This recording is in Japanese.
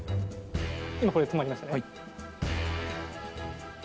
今これ止まりましたね。